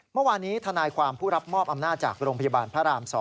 เมื่อวานนี้ทนายความผู้รับมอบอำนาจจากโรงพยาบาลพระราม๒